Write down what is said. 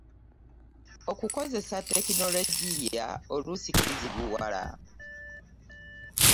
okukozesa tekinologiya oluusi kizibuwala.